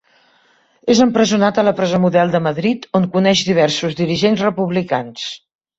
És empresonat a la Presó Model de Madrid, on coneix diversos dirigents republicans.